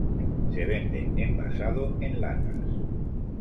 Se vende envasado en latas.